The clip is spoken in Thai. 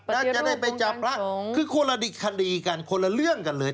แล้วจะได้ไปจับพระคือคนละดิกคดีกันคนละเรื่องกันเลย